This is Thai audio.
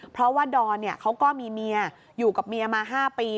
เพราะว่าดอนเขาก็มีเมียอยู่กับเมียมา๕ปี